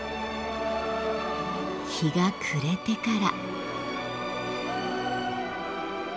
日が暮れてから。